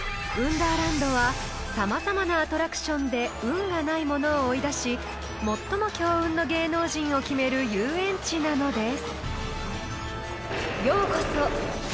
ダーランドは様々なアトラクションで運がない者を追い出し最も強運の芸能人を決める遊園地なのです］